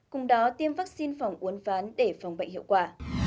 cùng đó tiêm vaccine phòng uốn ván để phòng bệnh hiệu quả